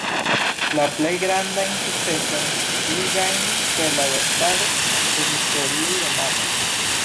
La plej grandajn sukcesojn li gajnis per la verkado de historiaj romanoj.